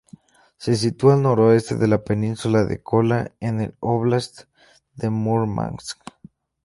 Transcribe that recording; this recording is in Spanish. Se sitúa al noroeste de la península de Kola en el óblast de Múrmansk.